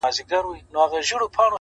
د گل خندا’